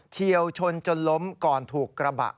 เชี่ยวชนจนล้มก่อนถูกกระบะ